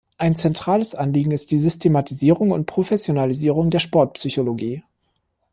Ein zentrales Anliegen ist die Systematisierung und Professionalisierung der Sportpsychologie.